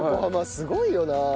すごいよなあ。